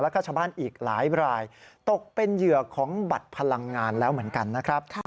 แล้วก็ชาวบ้านอีกหลายรายตกเป็นเหยื่อของบัตรพลังงานแล้วเหมือนกันนะครับ